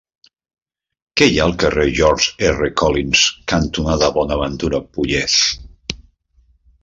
Què hi ha al carrer George R. Collins cantonada Bonaventura Pollés?